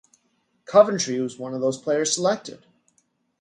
Coventry was one of those players selected.